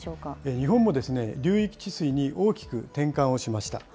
日本も、流域治水に大きく転換をしました。